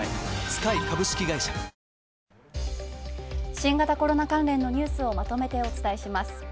新型コロナ関連のニュースをまとめてお伝えします。